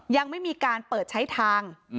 ยังไม่มีการเปิดใช้ทาง